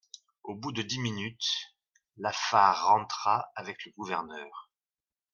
Au bout de dix minutes, Lafare rentra avec le gouverneur.